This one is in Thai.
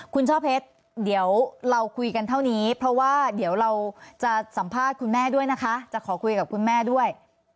คุณช่อเพชรเดี๋ยวเราคุยกันเท่านี้เพราะว่าเดี๋ยวเราจะสัมภาษณ์คุณแม่ด้วยนะคะจะขอคุยกับคุณแม่ด้วย